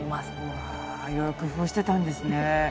うわ色々工夫してたんですね。